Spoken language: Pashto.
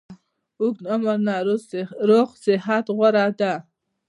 اوږد عمر نه روغ صحت غوره ده